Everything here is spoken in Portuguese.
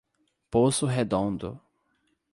Poço Redondo